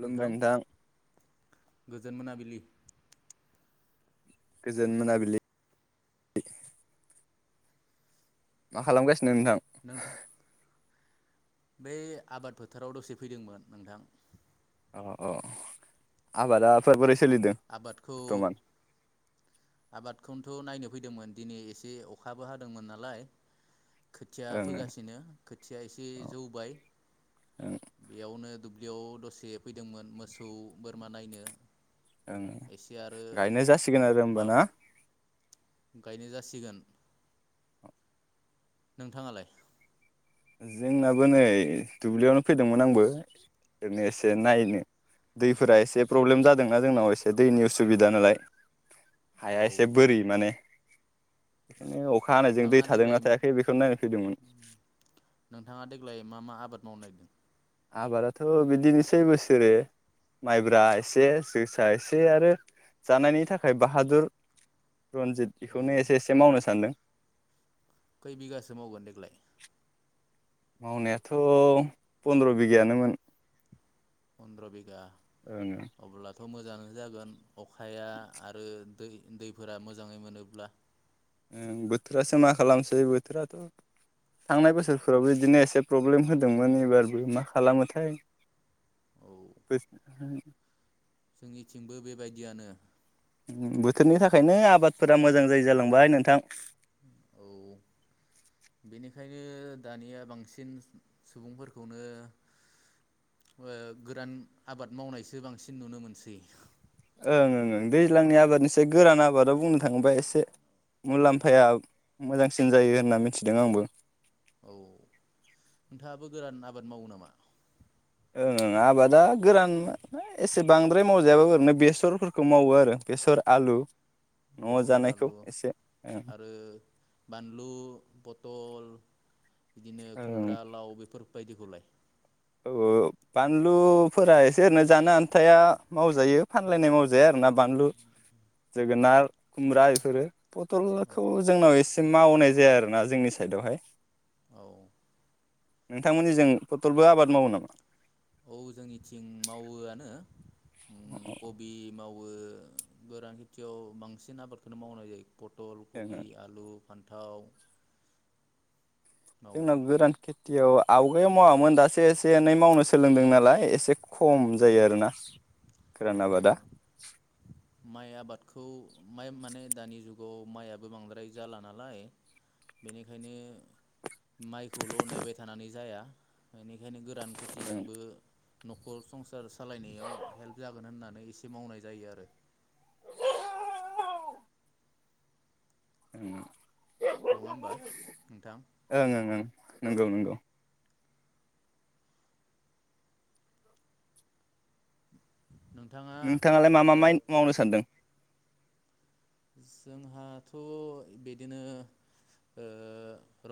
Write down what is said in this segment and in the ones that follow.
नोंथां गोजोन मोनाबिलि गोजोन मोनाबिलि मा खालामगासिनो? नोंथां बै आबाद फोथाराव दसे फैदोंमोन नोंथां। अ औ आबादाफोर बोरै सोलिदों आबादखौ बर्थमान आबादखौनोथ' नायनो फैदोंमोन दिनै एसे अखाबो हादोंमोन नालाय। खोथिया ओं ओं फोगासिनो खोथिया एसे औ जौबाय ओं बेयावनो। दुब्लियाव दसे फैदोंमोन मोसौ बोरमा नायनो। ओं एसे आरो गायनाय जासिगोन आरो होमब ना? गायनाय जासिगोन। नोंथाङालाय? जोंनाबो नै दुब्लियावनो फैदोंमोन आंबो ओरैनो एसे नायनो दैफोरा एसे प्रब्लेम जादोंना जोंनाव एसे दैनि उसुबिदा नालाय। हाया एसे औ बोरै माने। बेखायनो अखा हानायजों दै नोंथाङा देग्लाय थादोंना थायाखै बेखौनो नायनो फैदोंमोन। नोंथाङा देग्लाय मा मा आबाद मावनो नागिरदों? आबादाथ' बिदिनोसै बोसोरै माइब्रा एसे जोसा एसे आरो जानायनि थाखाय बाहादुर रनजित औ बेखौनो एसे एसे मावनो सानदों। खै बिगासो मावगोन देग्लाय? मावनायाथ' पन्द्र' बिगायानोमोन। पन्द्र' बिगा ओं थ' मोजाङानो जागोन। अखाया आरो दै दैफोरा मोजाङै मोनोब्ला। ओं बोथोरासो मा खालामसै बोथोराथ' थांनाय बोसोरफोरावबो बिदिनो एसे प्रब्लेम होदोंमोन एबारबो मा खालामोथाय औ जोंनिथिंबो बेबायदियानो उम बोथोरनि थाखायनो आबादफोरा मोजां जायै जालांबाय नोंथां। बेखायनो दानिया बांसिन सुबुंफोरखौनो ओ गोरान आबाद मावनायसो बांसिन नुनो मोनसै। ओं ओं ओं दैज्लांनि आबादनिसाय गोरान आबादाव बुंनो थाङोबा एसे मुलामफाया मोजांसिन जायो होनना मिथिदों आंबो। औ नोंथाङाबो गोरान आबाद मावो नामा? ओं ओं आबादा गोरान एसे बांद्राय मावजायाबो ओरैनो बेसरफोरखौ मावो आरो बेसर आलु न'आव बेसर जानायखौ आलु एसे ओं आरो बानलु पथल बिदिनो ओं खुमब्रा लाव बेफोर बायदिखौलाय औ बानलुफोरा एसे ओरैनो जानो आनथाया मावजायो फानलायनाय मावजाया आरोना बानलु जोगोनार खुमब्रा बेफोरो। औ पटलखौ जोंनाव एसे मावनाय जाया आरोना जोंनि साइदआवहाय औ नोंथांमोननि जों पटलबो आबाद मावो नामा औ जोंनिथिं मावोआनो उ कबि मा बो गोरान खेथियाव बांसिन आबादखौनो मावनाय जायो पटल कबि आलु फानथाव जोंना गोरान खे थियाव आवगायाव मावामोन दासो एसे एनै मावनो सोलोंदों नालाय एसे खम जायो आरोना गोरान औ आबादा माइ आबादखौ माइ माने दानि जुगाव मायाबो बांद्राय जाला नालाय बेनिखायनो माइखौल' नेबाय थानानै जाया बेनि खायनो गोरान ओं खेथिजोंबो नखर सं सार सालायनायाव हेल्प जागोन होननानै एसे मावनाय जायो आरो ओं नङा ओं होमबा ओं नोंथां ओं नंगौ नंगौ नोंथाङा नोंथाङालाय मा मा माइ ओ मावनो सानदों जोंहाथ' बिदिनो ओ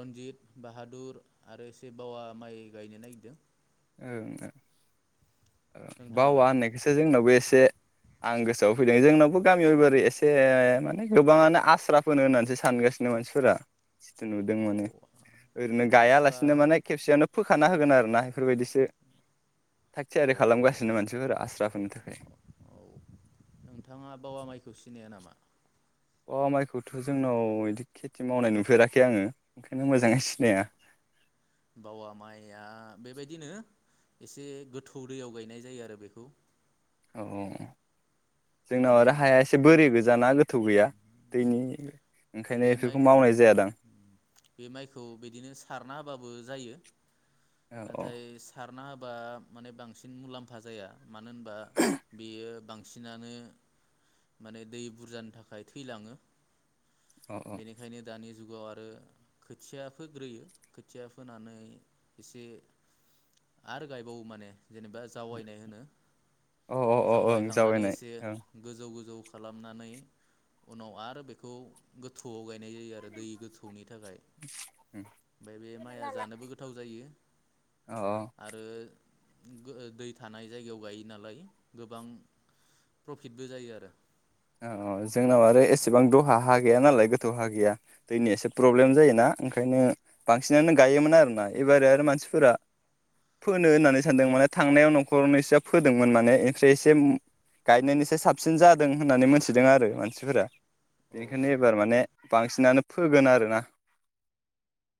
रन्जित बाहादुर आरो एसे बावा माइ गायनो नागिरदों ओं ओं बावा नोंथाङालाय होननायखौसो जोंनावबो एसे आं गोसोआव फैदों जोंनावबो गामियाव एबारै एसे माने गोबाङानो आस्रा फो होननानैसो सानगासिनो मानसिफोरा जिथु नुदों औ माने ओरैनो आस्रा गायालासिनो माने खेबसेयावनो फोखाना होगोन आरो ना बेफोरबायदिसो थाग औ थियारि खालामगासिनो मानसिफोरा आस्रा फोनो थाखाय औ नोंथाङा बावा माइखौ सिनाया नामा बावा माइखौथ' जोंनाव बिदि खेथि मावनाय नुफेराखै आङो ओंखायनो मोजाङै औ सिनाया बावा माइया बेबायदिनो एसे गोथौ दैयाव गायनाय जायो आरो बेखौ औ जोंनाव माने आरो हाया एसे बोरि गोजाना गोथौ गैया दैनि ओंखायनो बे माइ बेफोरखौ मावनाय जायादां बे माइखौ बिदिनो सारना होबाबो जायो औ नाथाय सारना होबा माने बांसिन मुलाम्फा जाया मानो होनबा बेयो बांसिनानो माने दै बुरजानि थाखाय थैलाङो औ बेनिखायनो दानि जुगाव आरो खोथिया फोग्रोयो खोथिया फोनानै एसे आरो गायबावो माने जेनेबा जावैनाय होनो औ औ औ ओं जावायखांनानै जावैनाय एसे ओं गोजौ गोजौ खालामनानै उनाव आरो बे गोथौआव गायनाय जायो आरो दै गोथौनि थाखाय ओमफ्राय बे माइआ जानोबो गोथाव जायो अ आरो दै थानाय जायगायाव गायो नालाय गोबां प्रफिटबो जायो आरो अ जोंनाव आरो एसेबां दहा हा गैया नालाय गोथौ हा गैया दैनि एसे प्रब्लेम जायोना ओंखायनो बांसिनानो गायोमोन आरोना एबारै आरो मानसिफोरा फोनो होननानै सानदों माने थांनायाव न'खरावनो एस फोदोंमोन माने ओमफ्राय एसे गायनायनिसाय साबसिन जादों होननानै मोनथिदों आरो मानसिफोरा औ बेनिखायनो एबार माने बांसिनानो फोगोन आरोना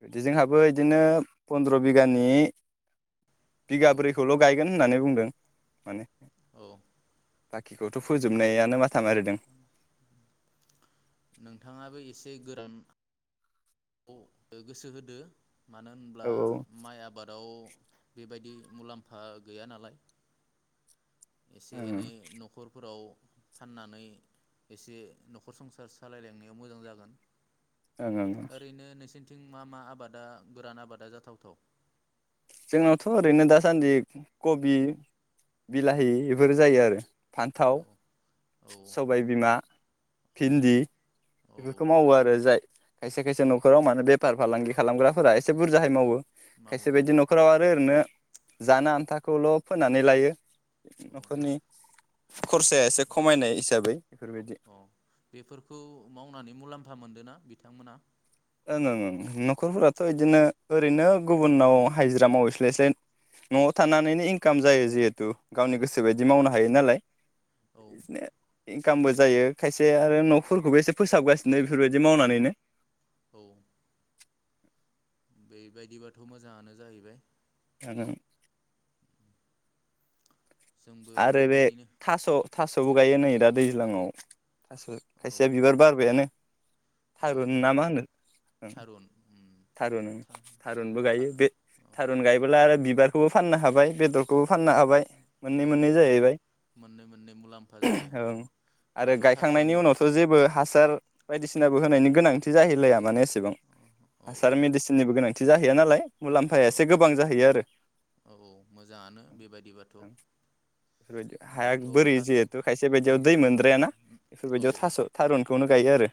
बिदिजोंहाबो इदिनो फन्द्र' बिगानि औ बिगाब्रैखौल' गायगोन होननानै बुंदों फोरों माने औ बाखिखौथ' फोजोबनायानो [inaudible] नोंथाङाबो एसे गोरान गोसो होदो मानो होनब्ला औ माइ आबादाव बेबायदि मुलाम्फा गैया नालाय एसे ओं एनै न'खरफोराव फाननानै एसे न'खर संसार सालायलायनायाव मोजां जागोन ओं ओं ओरैनो नोंसिनि थिं मा मा आबादा गोरान आबादा जाथावथाव जोंनावथ' ओरैनो दासान्दि कबि बिलाहि बेफोर जायो आरो फान्थाव औ औ सबाय बिमा औ भिन्दि औ बेफोरखौ मावो आरो जाय खायसे खायसे न'खराव मानो बेफार फालांगि खालामग्राफोरा एसे बुरजाहै मावो माव औ राव आरो ओरैनो जानो आन्थाखौल' फोनानै लायो औ न'खरनि खरसाया एसे बेफोर खमायनाय हिसाबै बेफोरबायदि औ बेफोरखौ मावनानै मुलाम्फा मोनदोंना बिथांमोना ओं ओं ओं न'खरफोराथ' बिदिनो ओरैनो गुबुनाव हाजिरा मावहैस्लायस्लाय न'आव थानानैनो इनकाम जायो जिहेथु गावनि गोसो बायदि मावनो हायो नालाय औ इनो इनकामबो जायो खायसे आरो न'फोरखौबो एसे फोसाबगासिनो बेफोरबायदि मावनानैनो औ [inaudible] बेबायदिबाथ' मोजाङानो जाहैबाय [unintelligible] जोंबो आरो बे बेबायदिनो थास' थास'बो गायो नै दा दैज्लाङाव थास' औ खायसेया बिबार बारबायानो औ थारुन औ ना मा होनो ओं थारुन उम थारुन ओं था थारुनबो था गायो बे औ थारुन गायबोला आरो बिबार खौबो फाननो हाबाय बेदरखौबो फाननो हाबाय मोननै औ मोननै जाहैबाय मोननै मोननै मुलाम्फा जायो औ आरो दाथ' गायखांनायनि थास'नि उनावथ' जेबो हासार बायदिसिनाबो होनायनि गोनांथि जाहैलाया माने सेबां औ औ हासार मेडिसिननिबो गोनांथि खथि जाहैया नालाय मुलाम्फाया औ एसे गोबां जाहैयो आरो औ मोजाङानो बेबायदिबाथ' बेफोरबायदि हाया दाथ' बोरै थास' जिहेथु खायसे बायदियाव दै मोनद्रायाना औ बेफोरबायदियाव औ थास' थारुनखौनो गायो आरो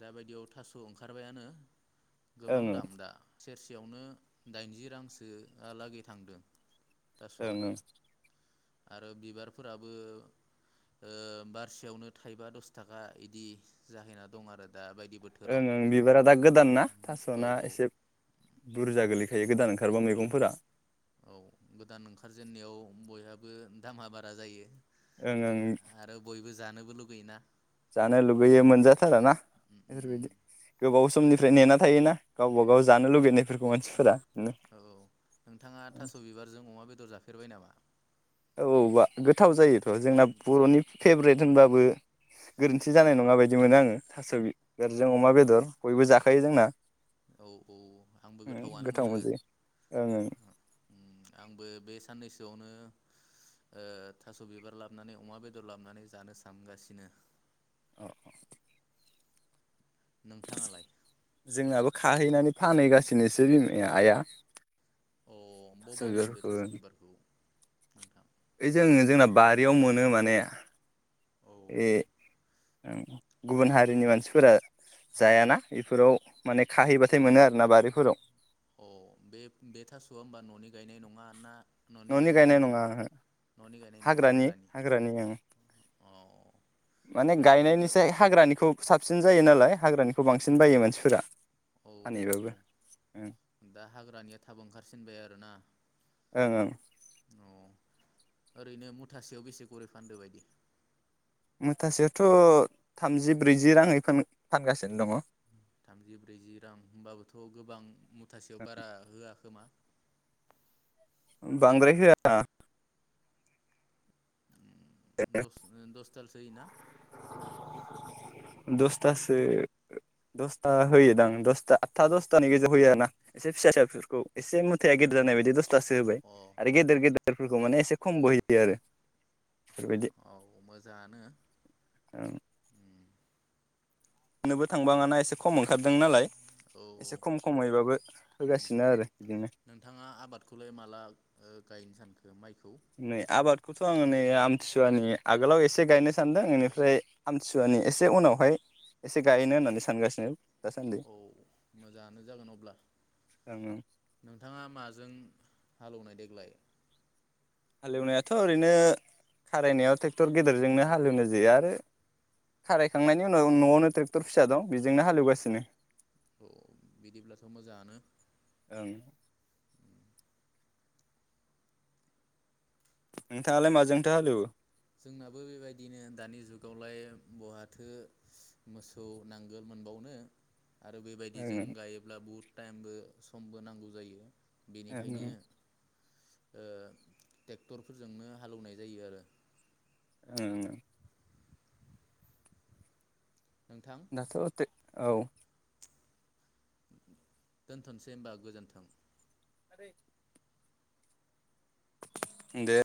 दाबायदियाव थास' ओंखारबायानो गोबां ओं दाम दा सेरसे मानो यावनो दाइनजि रांसोआलागै थांदों थास'आ ओं ओं आरो बिबारफोराबो ओ बारसेयावनो थाइबा दस थाखा इदि जाहैना दं आरो दा बायदि बोथोराव ओं ओं बिबारा दा गोदान ना औ थास'ना औ एसे बुरजा गोलैखो दायो गोदान ओंखारबा औ मैगंफोरा औ ओ दामा बारा जायो। ओं ओं आरो बयबो जानोबो लुगैयोना? जानो लुगैयो मोनजाथार ना? उम उम गोबाव सम समनिफ्राय नेना थायोना गावबा गाव जानो लुगैनायफोरखौ मानसिफोरा बिदिनो औ औ नोंथाङा थास' बिबारजों अमा बेदर जाफेरबाय नामा? औबा गोथाव जायोथ' जोंना बर'नि फेभरेट होनोनबाबो गोरोन्थि जानाय नङा बायदि मोनो आङो थास' बिबारजों अमा बेदर बयबो जाखायो जोंना। औ औ आंबो ओम गोथावनो गोथाव मोनो मोनजायो ओं ओं आंबो बे साननैसोआवनो ओ थास' बिबार लाबोनानै अमा बेदर लाबोनानै जानो सानगासिनो अ अ नोंथाङालाय थाहैनानै फानहैगासिनोसो बि आइआ। अ थास' बबाव मोनदो थास बिबारफोरखौ बिबारखौ नोंथां ओइ जों जोंना बारियाव मोनो माने औ ए ओं गुबुन हारिनि न' मानसिफोरा जायाना बेफोराव माने खाहैबाथाय मोनो आरोना बारिफोराव अ बे बे थास'आ होमबा न'नि गायनाय नङा ना न'नि गायनाय नङा आङो न'नि गायनाय नङा हाग्रानि हाग्रानि ओं अ माने दा बायदियाव गायनायनिसाय हाग्रानिखौ सा साबसिन जायो नालाय हाग्रानिखौ बांसिन बायो मानसिफोरा औ औ औ फानहैबाबो ओं दा हाग्रानिया थाब ओंखारसिनबाय आरोना ओं ओं अ ओरैनो मुथासेयाव बेसे गरै फानदो बायदि मुथासेयावथ' थामजि ब्रैजि राङै फानगासिनो दङ थामजि ब्रैजि रां होनोमबाबोथ' गोबां मुथासेयाव बारा होआखोमा बांद्राय होआ दसथालसो होयोना दसथासो दसथा होयोदां दसता आदथा दसथानि गेजेराव होयो आरो ना एसे फिसा फिसा बििसोरफोरखौ एसे मुथाया गेदेर जानाय बायदि दस थासो होबाय अ आरो गेदेर गेदेर फोरखौ माने एसे औ खम बो होयो आरो बेफोरबायदि औ मोजाङानो उम होननोबो थाङो बाङाना एसे खम ओंखारदों नालाय औ एसे खम खमैबाबो उम होगासिनो आरो इदिनो। नोंथाङा आबादखौलाय माला ओ गायनो सानखो माइखौ नै आबादखौथ' आङो नै आमथिसुवानि आगोलाव एसे गायनो सानदों बेनिफ्राय आमथिसुवानि एसे उनावहाय एसे गायनो होननानै सानगासिनो। दासान्दि औ मोजाङानो जागोन अब्ला ओं नोंथाङा माजों हालौनाय देग्लाय? हालेवनायाथ' ओरैनो खारायनायाव ट्रेक्टर गेदेरजोंनो हालेवनाय जायो आरो खारायखांनायनि उनाव न'आवनो ट्रेक्टर फिसा दं बेजोंनो हालेवगासिनो। औ बिदिब्लाथ' मोजाङानो। ओं नोंथाङालाय माजोंथ' हालेवो? जोंनाबो बेबायदिनो दानि जुगावलाय बहाथो मोसौ नांगोल मोनबावनो। आरो बेबायदिजों ओं गायोब्ला बुहुत टाइमबो समबो नांगौ जायो। बेनिखायनो ओं ओ ट्रेक्टरफोरजोंनो हालौवनाय जायो आरो। ओं ओं। नोंथां दाथ' औ। दोनथ'सै होमबा गोजोन्थों। आरै दे